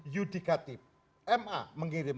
judikatif ma mengirim